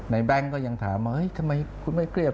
ในแบงก็ยังถามทำไมคุณไม่เครียด